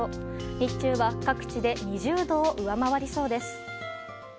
日中は各地で２０度を上回りそうです。